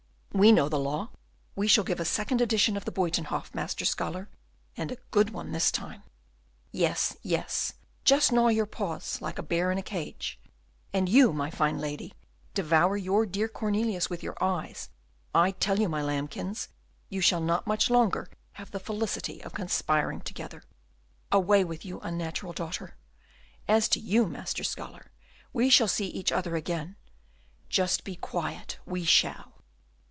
We know the law, we shall give a second edition of the Buytenhof, Master Scholar, and a good one this time. Yes, yes, just gnaw your paws like a bear in his cage, and you, my fine little lady, devour your dear Cornelius with your eyes. I tell you, my lambkins, you shall not much longer have the felicity of conspiring together. Away with you, unnatural daughter! And as to you, Master Scholar, we shall see each other again. Just be quiet, we shall."